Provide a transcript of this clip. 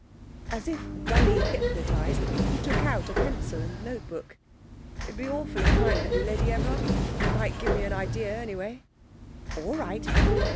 As if dully hypnotised, he took out a pencil and notebook. 'It would be awfully kind of you, Lady Everard. It might give me an idea anyway.' 'All right.'